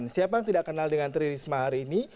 siapa yang tidak kenal dengan tririsma harini